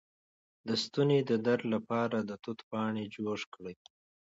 د ستوني د درد لپاره د توت پاڼې جوش کړئ